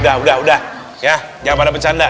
udah udah ya jangan pada bercanda